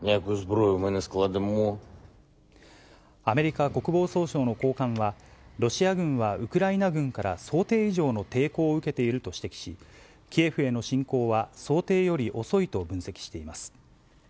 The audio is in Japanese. アメリカ国防総省の高官は、ロシア軍はウクライナ軍から想定以上の抵抗を受けていると指摘し、キエフへの侵攻は想定より遅いと分析しています。